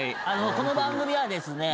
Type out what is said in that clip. この番組はですね